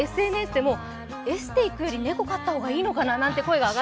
ＳＮＳでも、エステ行くより猫飼った方がいいのかなと。